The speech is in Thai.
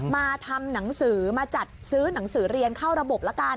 มาทำหนังสือมาจัดซื้อหนังสือเรียนเข้าระบบละกัน